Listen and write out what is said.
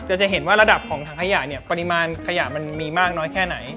จะเห็นว่าระดับของถังขยะเนี่ยปริมาณขยะมันมีมากน้อยแค่ไหน